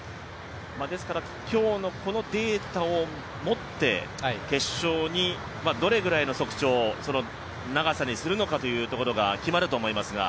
今日のこのデータを持って決勝にどれぐらいの足長その長さにするのかというのが決まると思いますが。